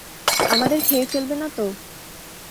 আমাদের খেয়ে ফেলবে না তো?